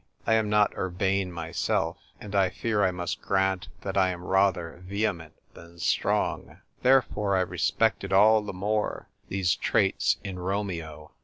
I am not urbane myself, and I fear I must grant that I am rather vehement than strong; there lore I respected all the more these traits in Romeo.